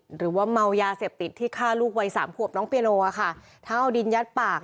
หรือว่าเมายาเสพติดที่ฆ่าลูกวัยสามขวบน้องเปียโนค่ะถ้าเอาดินยัดปาก